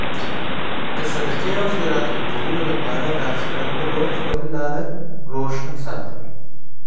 د صدقې او خیرات ورکولو سره د اخرت په لور خپل لاره روشن ساتل.